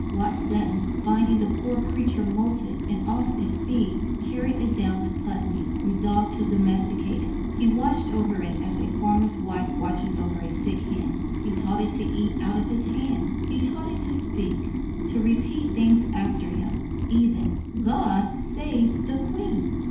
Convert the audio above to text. Watts Dunton, finding the poor creature moulted and "off its feed," carried it down to Putney, resolved to domesticate it. He watched over it as a farmer's wife watches over a sick hen. He taught it to eat out of his hand. He taught it to speak to repeat things after him, even "God Save the Queen."